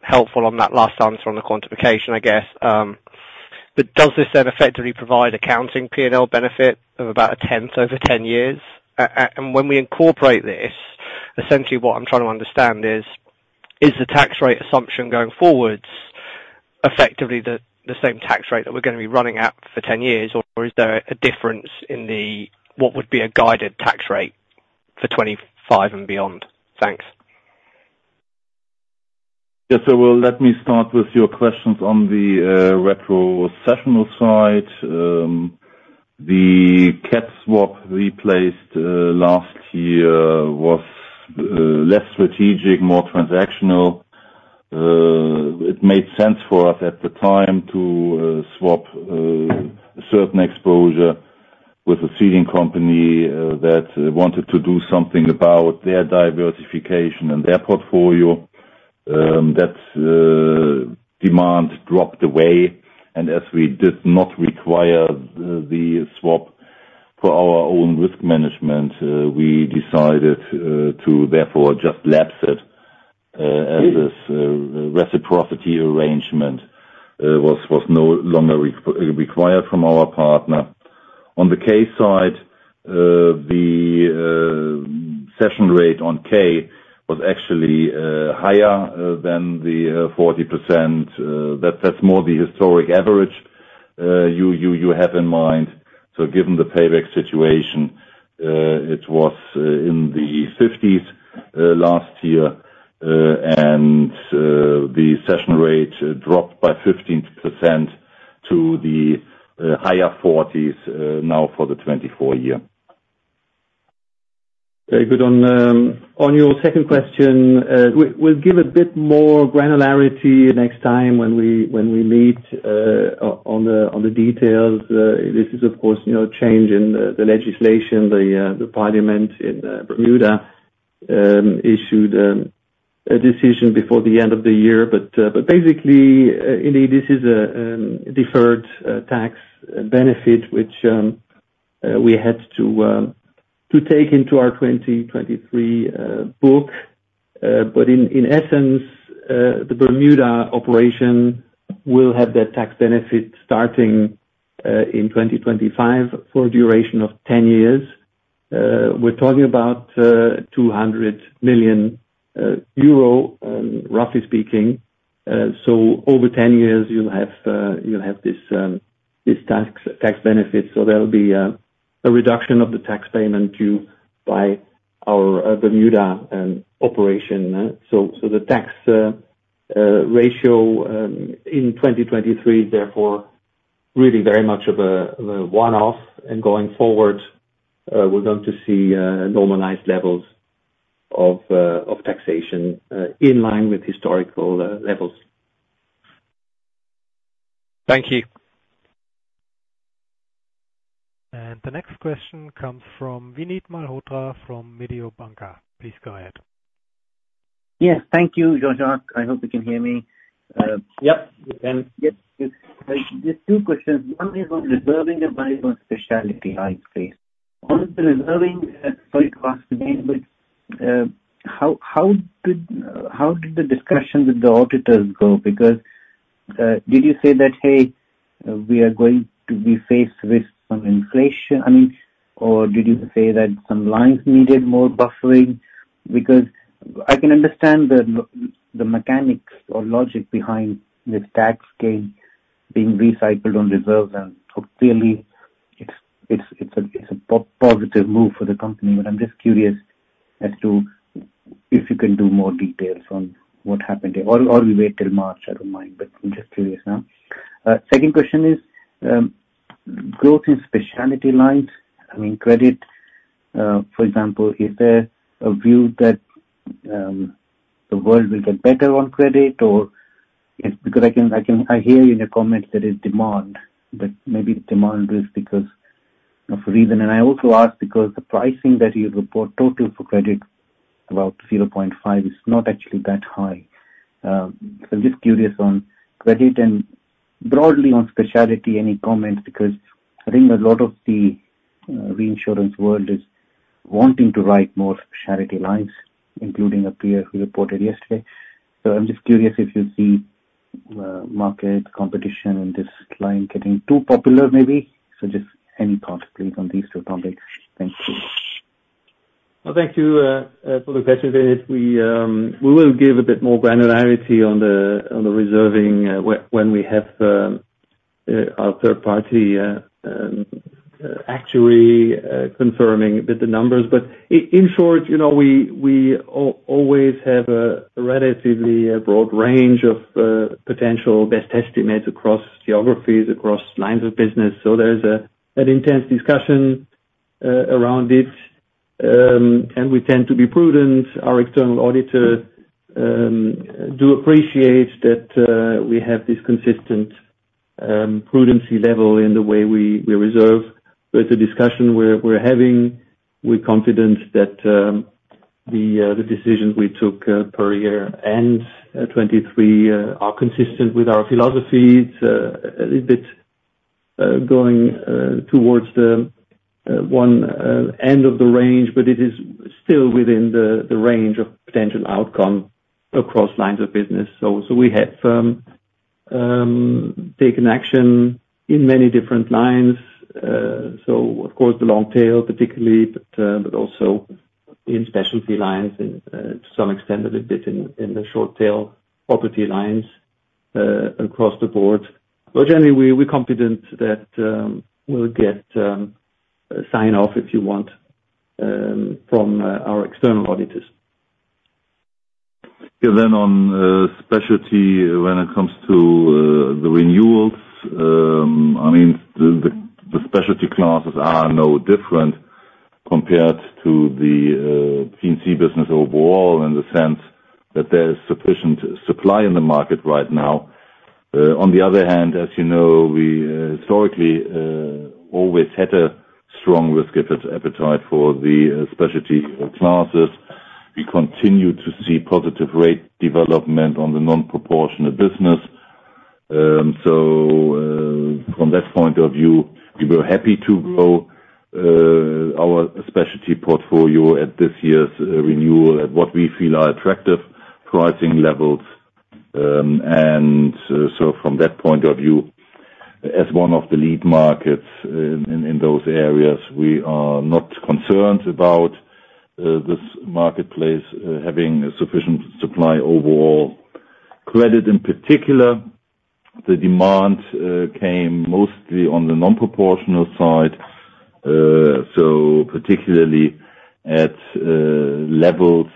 Helpful on that last answer on the quantification, I guess. But does this then effectively provide accounting P&L benefit of about a tenth over 10 years? And when we incorporate this, essentially what I'm trying to understand is, is the tax rate assumption going forwards?... effectively the, the same tax rate that we're gonna be running at for 10 years, or is there a difference in the, what would be a guided tax rate for 25 and beyond? Thanks. Yes, so well, let me start with your questions on the retrocessional side. The cat swap we placed last year was less strategic, more transactional. It made sense for us at the time to swap a certain exposure with a ceding company that wanted to do something about their diversification and their portfolio. That demand dropped away, and as we did not require the swap for our own risk management, we decided to therefore just lapse it, as this reciprocity arrangement was no longer required from our partner. On the K side, the cession rate on K was actually higher than the 40%. That's more the historic average you have in mind. So given the payback situation, it was in the 50s last year, and the cession rate dropped by 15% to the higher 40s now for the 2024 year. Very good. On your second question, we'll give a bit more granularity next time when we meet on the details. This is, of course, you know, change in the legislation. The parliament in Bermuda issued a decision before the end of the year. But basically, you know, this is a deferred tax benefit, which we had to take into our 2023 book. But in essence, the Bermuda operation will have that tax benefit starting in 2025 for a duration of 10 years. We're talking about 200 million euro, roughly speaking. So over 10 years, you'll have this tax benefit. So there'll be a reduction of the tax payment due by our Bermuda operation. So the tax ratio in 2023, therefore, really very much of a one-off, and going forward, we're going to see normalized levels of taxation in line with historical levels. Thank you. The next question comes from Vinit Malhotra from Mediobanca. Please go ahead. Yes, thank you, Jean-Jacques. I hope you can hear me. Yep, we can. Yes, good. Just two questions. One is on reserving and one on specialty, I'd say. On the reserving, sorry to ask again, but how did the discussion with the auditors go? Because, did you say that, "Hey, we are going to be faced with some inflation?" I mean, or did you say that some lines needed more buffering? Because I can understand the mechanics or logic behind this tax gain being recycled on reserves, and clearly, it's a positive move for the company. But I'm just curious as to if you can do more details on what happened there, or we wait till March, I don't mind, but I'm just curious now. Second question is, growth in specialty lines, I mean, credit. For example, is there a view that the world will get better on credit? Or... Because I can, I can, I hear you in a comment that is demand, but maybe demand is because of reason. And I also ask, because the pricing that you report total for credit, about 0.5, is not actually that high. So I'm just curious on credit and broadly on specialty, any comments? Because I think a lot of the reinsurance world is wanting to write more specialty lines, including a peer who reported yesterday. So I'm just curious if you see market competition in this line getting too popular, maybe. So just any thoughts, please, on these two topics. Thank you. Well, thank you for the question, Vinit. We will give a bit more granularity on the reserving when we have our third party actuary confirming with the numbers. But in short, you know, we always have a relatively broad range of potential best estimates across geographies, across lines of business. So there's an intense discussion around it, and we tend to be prudent. Our external auditors do appreciate that we have this consistent prudency level in the way we reserve. But the discussion we're having, we're confident that the decisions we took per year-end 2023 are consistent with our philosophy. It's a little bit going towards the one end of the range, but it is still within the range of potential outcome across lines of business. So we have taken action in many different lines. So of course, the long tail particularly, but also-... in specialty lines and, to some extent a little bit in the short tail property lines, across the board. But generally, we're confident that we'll get a sign off, if you want, from our external auditors. Yeah, then on specialty, when it comes to the renewals, I mean, the specialty classes are no different compared to the P&C business overall, in the sense that there is sufficient supply in the market right now. On the other hand, as you know, we historically always had a strong risk appetite for the specialty classes. We continue to see positive rate development on the non-proportional business. So, from that point of view, we were happy to grow our specialty portfolio at this year's renewal at what we feel are attractive pricing levels. And so from that point of view, as one of the lead markets in those areas, we are not concerned about this marketplace having sufficient supply overall. Credit, in particular, the demand came mostly on the non-proportional side. So particularly at levels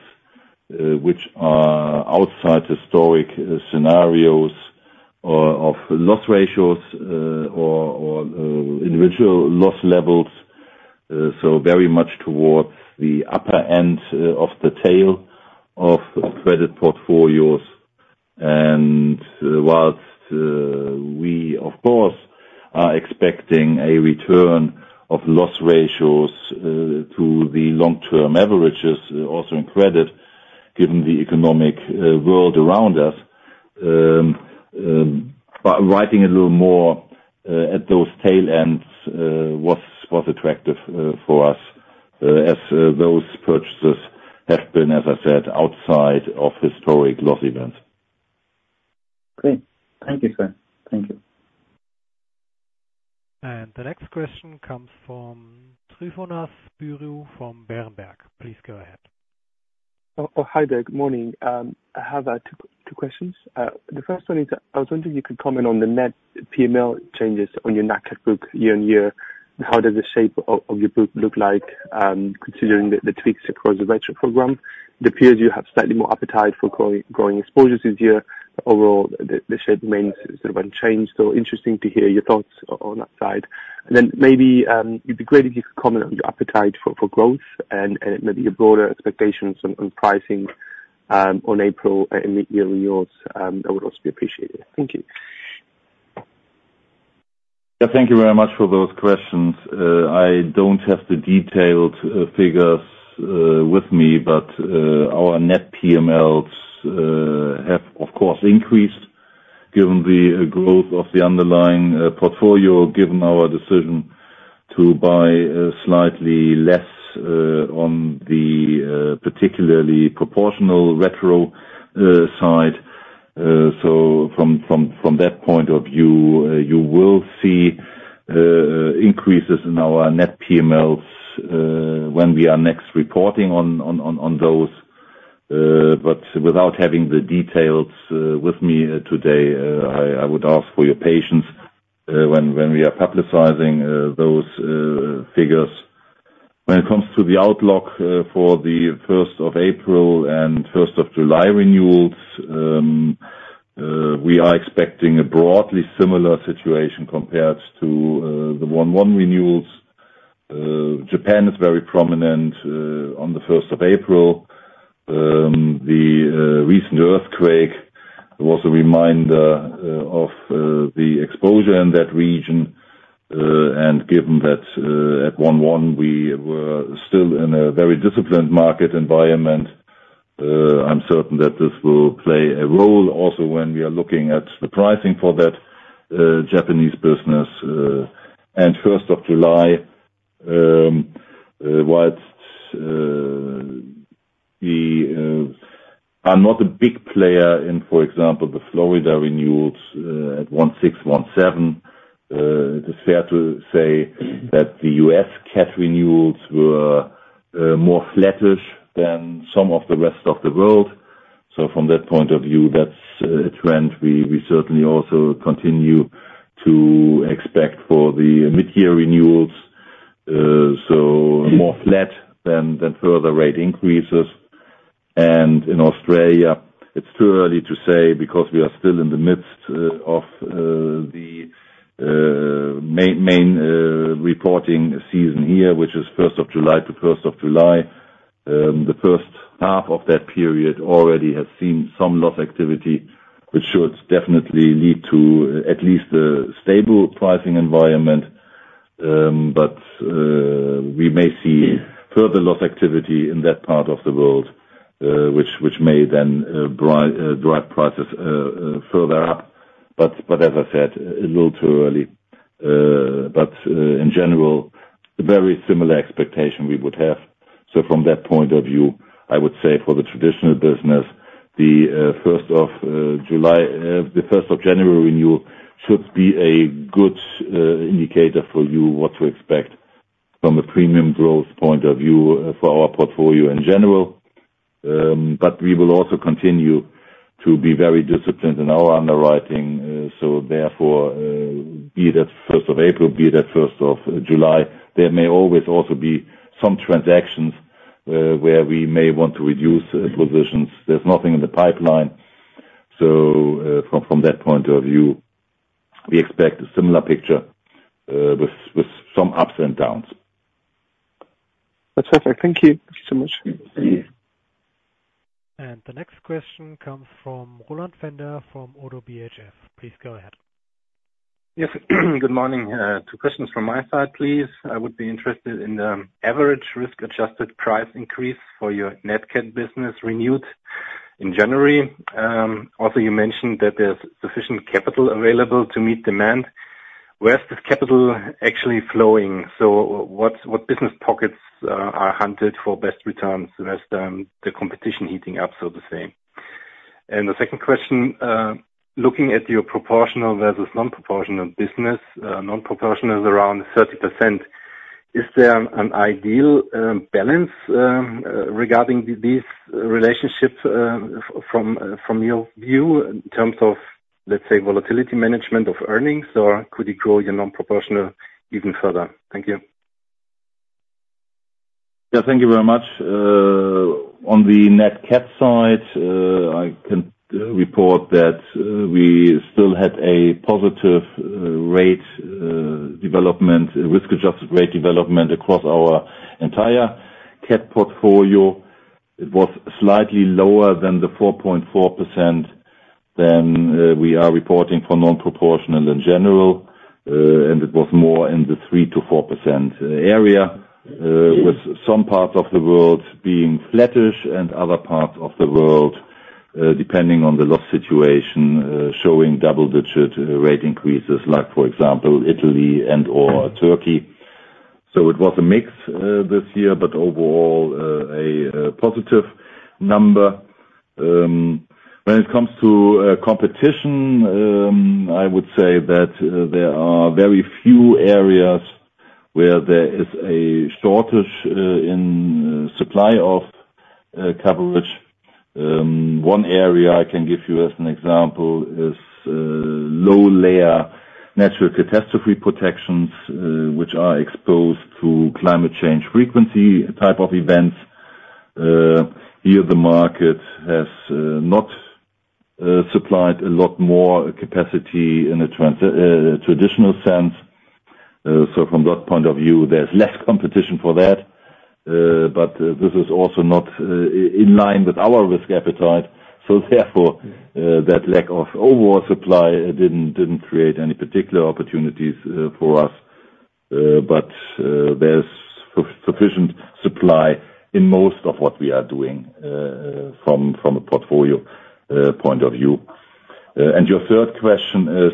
which are outside historic scenarios or of loss ratios, or individual loss levels, so very much towards the upper end of the tail of credit portfolios. And whilst we, of course, are expecting a return of loss ratios to the long-term averages also in credit, given the economic world around us, but writing a little more at those tail ends was attractive for us, as those purchases have been, as I said, outside of historic loss events. Great. Thank you, sir. Thank you. The next question comes from Tryfonas Spyrou from Berenberg. Please go ahead. Oh, oh, hi there. Good morning. I have two questions. The first one is, I was wondering if you could comment on the net PML changes on your NAIC book year on year, and how does the shape of your book look like, considering the tweaks across the retro program? It appears you have slightly more appetite for growing exposures this year. Overall, the shape remains sort of unchanged. So interesting to hear your thoughts on that side. And then maybe, it'd be great if you could comment on your appetite for growth and maybe your broader expectations on pricing on April and mid-year renewals, that would also be appreciated. Thank you. Yeah, thank you very much for those questions. I don't have the detailed figures with me, but our net PMLs have, of course, increased given the growth of the underlying portfolio, given our decision to buy slightly less on the particularly proportional retro side. So from that point of view, you will see increases in our net PMLs when we are next reporting on those. But without having the details with me today, I would ask for your patience when we are publicizing those figures. When it comes to the outlook for the first of April and first of July renewals, we are expecting a broadly similar situation compared to the 1/1 renewals. Japan is very prominent on the first of April. The recent earthquake was a reminder of the exposure in that region, and given that, at 1/1 we were still in a very disciplined market environment, I'm certain that this will play a role also when we are looking at the pricing for that Japanese business. And first of July, whilst we are not a big player in, for example, the Florida renewals at 1/6, 1/7, it is fair to say that the U.S. cat renewals were more flattish than some of the rest of the world. So from that point of view, that's a trend we certainly also continue to expect for the mid-year renewals. So more flat than further rate increases. In Australia, it's too early to say, because we are still in the midst of the main reporting season here, which is first of July to first of July. The H1 of that period already has seen some loss activity, which should definitely lead to at least a stable pricing environment. But we may see further loss activity in that part of the world, which may then drive prices further up. But as I said, a little too early. But in general, a very similar expectation we would have. So from that point of view, I would say for the traditional business-... The first of July, the first of January renewal should be a good indicator for you what to expect from a premium growth point of view for our portfolio in general. But we will also continue to be very disciplined in our underwriting, so therefore, be that first of April, be that first of July, there may always also be some transactions, where we may want to reduce positions. There's nothing in the pipeline. So, from that point of view, we expect a similar picture with some ups and downs. That's perfect. Thank you so much. Thank you. And the next question comes from Roland Pfänder from ODDO BHF. Please go ahead. Yes. Good morning. Two questions from my side, please. I would be interested in the average risk-adjusted price increase for your net cat business renewed in January. Also, you mentioned that there's sufficient capital available to meet demand. Where is this capital actually flowing? So what, what business pockets are hunted for best returns as the competition heating up, so the same? And the second question, looking at your proportional versus non-proportional business, non-proportional is around 30%. Is there an ideal balance regarding these relationships from your view, in terms of, let's say, volatility management of earnings, or could you grow your non-proportional even further? Thank you. Yeah, thank you very much. On the net cat side, I can report that we still had a positive rate development, risk-adjusted rate development across our entire cat portfolio. It was slightly lower than the 4.4% than we are reporting for non-proportional in general, and it was more in the 3%-4% area, with some parts of the world being flattish and other parts of the world, depending on the loss situation, showing double-digit rate increases, like, for example, Italy and/or Turkey. So it was a mix this year, but overall, a positive number. When it comes to competition, I would say that there are very few areas where there is a shortage in supply of coverage. One area I can give you as an example is low-layer natural catastrophe protections, which are exposed to climate change frequency type of events. Here, the market has not supplied a lot more capacity in a traditional sense. So from that point of view, there's less competition for that, but this is also not in line with our risk appetite. So therefore, that lack of overall supply didn't create any particular opportunities for us. But there's sufficient supply in most of what we are doing, from a portfolio point of view. And your third question is,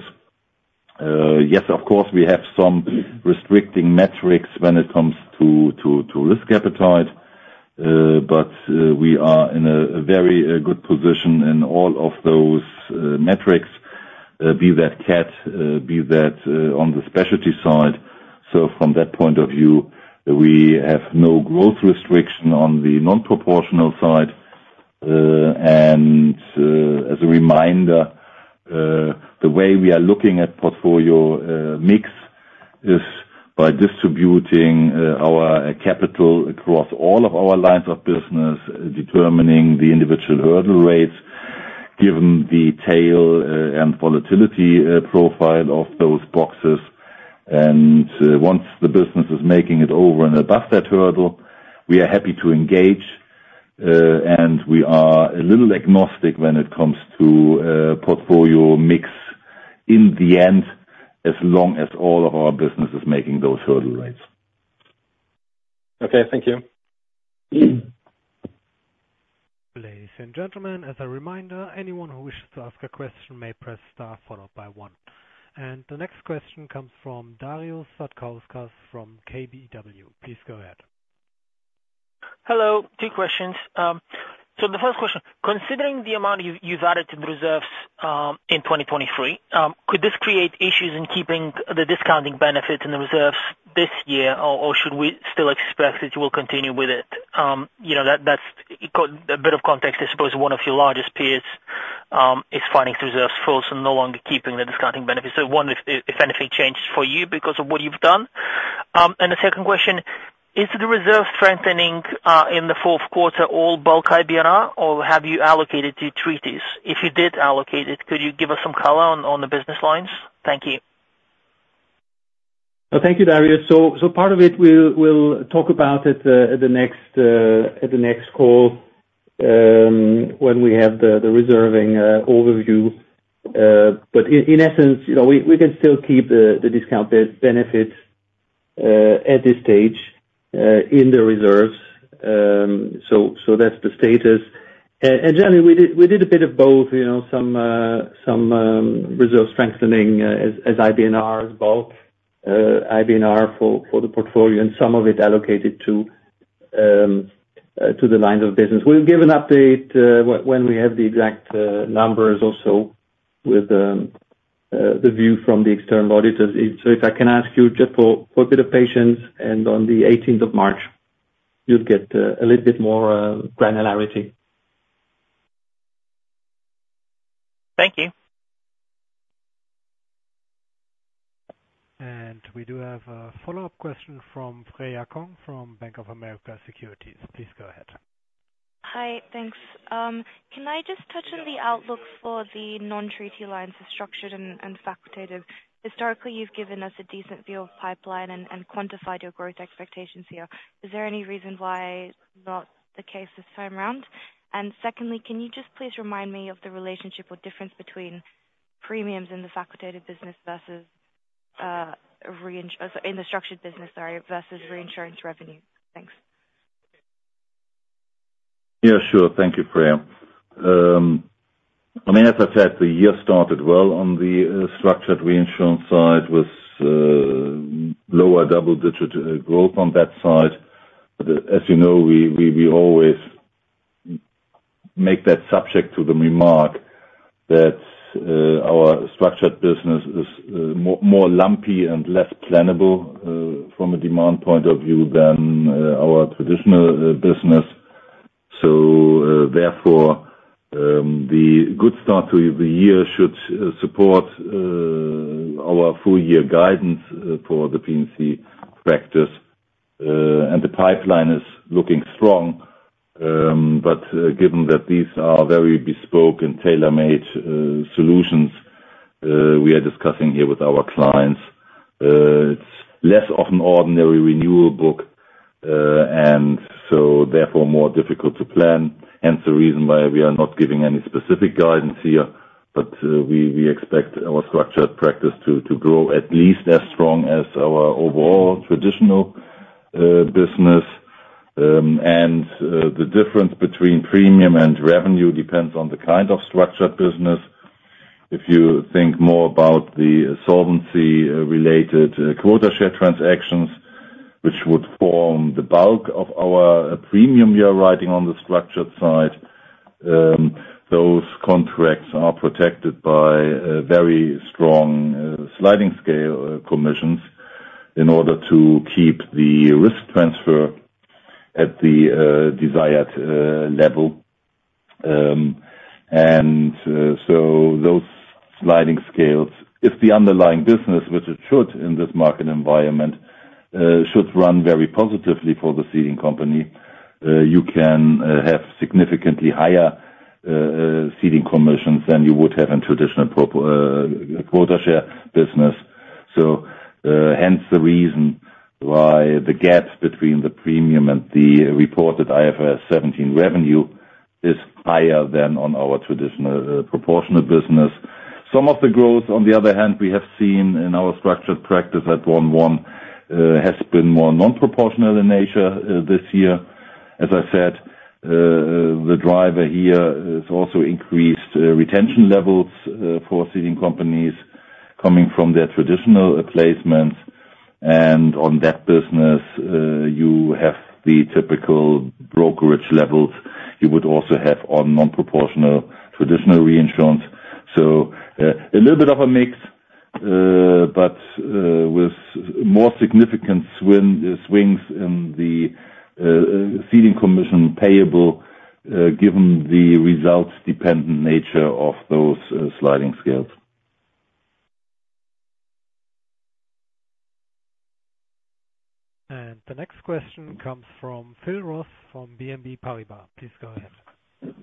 yes, of course, we have some restricting metrics when it comes to risk appetite, but we are in a very good position in all of those metrics, be that cat, be that on the specialty side. So from that point of view, we have no growth restriction on the non-proportional side. And as a reminder, the way we are looking at portfolio mix is by distributing our capital across all of our lines of business, determining the individual hurdle rates, given the tail and volatility profile of those boxes. Once the business is making it over and above that hurdle, we are happy to engage, and we are a little agnostic when it comes to portfolio mix in the end, as long as all of our business is making those hurdle rates. Okay, thank you. Ladies and gentlemen, as a reminder, anyone who wishes to ask a question may press star followed by one. The next question comes from Darius Satkauskas from KBW. Please go ahead. Hello, two questions. So the first question, considering the amount you've added to the reserves in 2023, could this create issues in keeping the discounting benefits and the reserves this year, or should we still expect that you will continue with it? You know, that's a bit of context. I suppose one of your largest peers is funding reserves first and no longer keeping the discounting benefits. So if anything changes for you because of what you've done. And the second question, is the reserve strengthening in the fourth quarter all bulk IBNR, or have you allocated to treaties? If you did allocate it, could you give us some color on the business lines? Thank you. Thank you, Darius. So part of it, we'll talk about it at the next call when we have the reserving overview. But in essence, you know, we can still keep the discount benefits at this stage in the reserves. So that's the status. And generally, we did a bit of both, you know, some reserve strengthening as IBNR, as bulk.... IBNR for the portfolio, and some of it allocated to the lines of business. We'll give an update when we have the exact numbers also with the view from the external auditors. So if I can ask you just for a little bit of patience, and on the eighteenth of March, you'll get a little bit more granularity. Thank you. We do have a follow-up question from Freya Kong, from Bank of America Securities. Please go ahead. Hi. Thanks. Can I just touch on the outlook for the non-treaty lines of structured and facultative? Historically, you've given us a decent view of pipeline and quantified your growth expectations here. Is there any reason why not the case this time around? And secondly, can you just please remind me of the relationship or difference between premiums in the facultative business versus in the structured business, sorry, versus reinsurance revenue? Thanks. Yeah, sure. Thank you, Freya. I mean, as I said, the year started well on the structured reinsurance side, with lower double-digit growth on that side. But as you know, we always make that subject to the remark that our structured business is more lumpy and less plannable from a demand point of view than our traditional business. So, therefore, the good start to the year should support our full year guidance for the P&C practice. And the pipeline is looking strong, but given that these are very bespoke and tailor-made solutions we are discussing here with our clients, it's less of an ordinary renewal book, and so therefore, more difficult to plan, hence the reason why we are not giving any specific guidance here. But we expect our structured practice to grow at least as strong as our overall traditional business. And the difference between premium and revenue depends on the kind of structured business. If you think more about the solvency related quota share transactions, which would form the bulk of our premium we are writing on the structured side, those contracts are protected by a very strong sliding scale commissions, in order to keep the risk transfer at the desired level. And so those sliding scales, if the underlying business, which it should in this market environment, should run very positively for the ceding company, you can have significantly higher ceding commissions than you would have in traditional proportional quota share business. So, hence the reason why the gap between the premium and the reported IFRS 17 revenue is higher than on our traditional, proportional business. Some of the growth, on the other hand, we have seen in our structured practice at 1/1, has been more non-proportional in nature, this year. As I said, the driver here has also increased, retention levels, for ceding companies coming from their traditional placements. On that business, you have the typical brokerage levels you would also have on non-proportional traditional reinsurance. So, a little bit of a mix, but, with more significant swings in the, ceding commission payable, given the results-dependent nature of those, sliding scales. The next question comes from Philip Ross, from BNP Paribas. Please go ahead.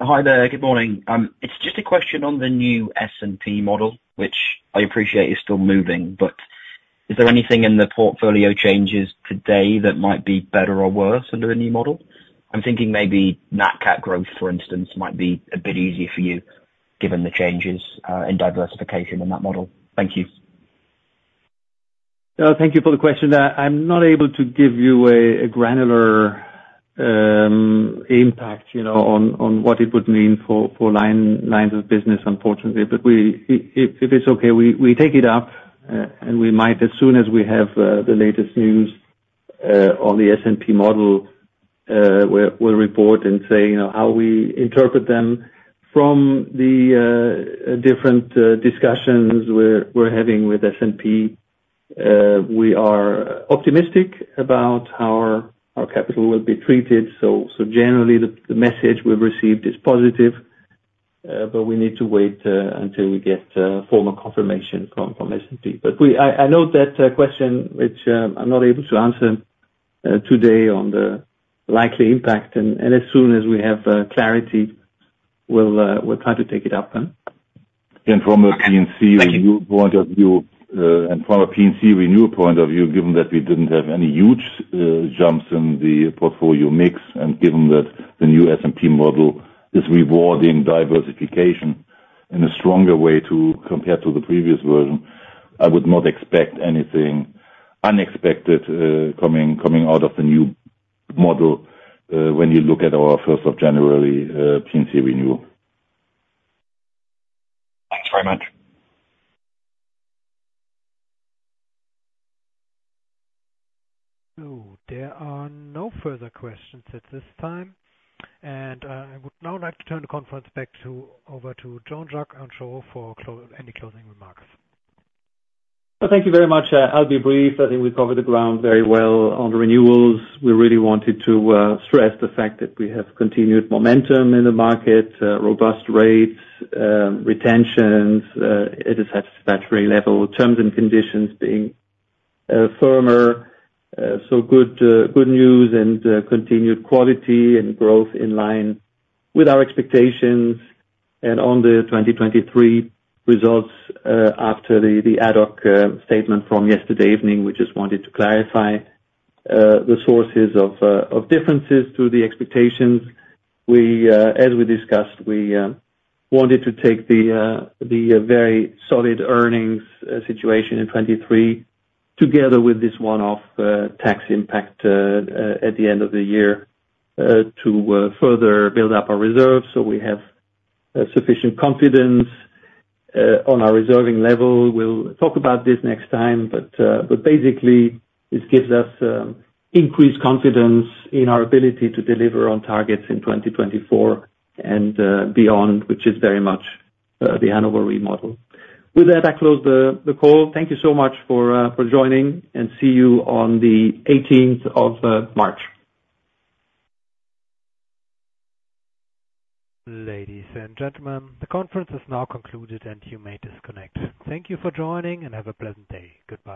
Hi there. Good morning. It's just a question on the new S&P model, which I appreciate is still moving, but is there anything in the portfolio changes today that might be better or worse under the new model? I'm thinking maybe Nat Cat growth, for instance, might be a bit easier for you, given the changes in diversification in that model. Thank you. Thank you for the question. I'm not able to give you a granular impact, you know, on what it would mean for lines of business, unfortunately. But if it's okay, we take it up and we might, as soon as we have the latest news on the S&P model, we'll report and say, you know, how we interpret them. From the different discussions we're having with S&P, we are optimistic about how our capital will be treated. Generally, the message we've received is positive, but we need to wait until we get formal confirmation from S&P. But we... I note that question, which I'm not able to answer today on the likely impact, and as soon as we have clarity, we'll try to take it up then. And from a P&C- Thank you. Point of view, and from a P&C renewal point of view, given that we didn't have any huge jumps in the portfolio mix, and given that the new S&P model is rewarding diversification in a stronger way compared to the previous version, I would not expect anything unexpected coming out of the new model when you look at our first of January P&C renewal. Thanks very much. There are no further questions at this time, and I would now like to turn the conference over to Jean-Jacques Henchoz for any closing remarks. Well, thank you very much. I'll be brief. I think we covered the ground very well on renewals. We really wanted to stress the fact that we have continued momentum in the market, robust rates, retentions, it is at statutory level, terms and conditions being firmer. So good, good news and continued quality and growth in line with our expectations. And on the 2023 results, after the ad hoc statement from yesterday evening, we just wanted to clarify the sources of differences to the expectations. We, as we discussed, we wanted to take the very solid earnings situation in 2023, together with this one-off tax impact at the end of the year, to further build up our reserves. So we have sufficient confidence on our reserving level. We'll talk about this next time, but, but basically, this gives us increased confidence in our ability to deliver on targets in 2024 and beyond, which is very much the Hannover model. With that, I close the call. Thank you so much for for joining, and see you on the eighteenth of March. Ladies and gentlemen, the conference is now concluded, and you may disconnect. Thank you for joining, and have a pleasant day. Goodbye.